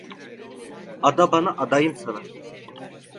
Ada bana, adayım sana.